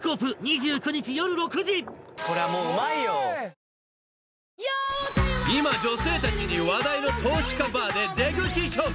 どん兵衛［今女性たちに話題の投資家バーで出口調査］